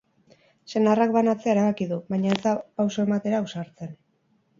Senarrak banatzea erabaki du, baina ez da pauso ematera ausartzen.